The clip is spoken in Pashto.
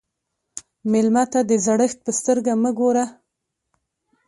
مېلمه ته د زړښت په سترګه مه ګوره.